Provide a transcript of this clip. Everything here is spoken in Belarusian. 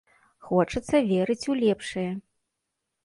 Хочацца верыць у лепшае.